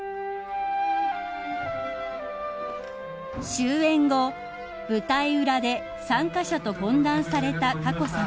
［終演後舞台裏で参加者と懇談された佳子さま］